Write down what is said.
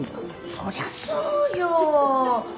そりゃそうよ。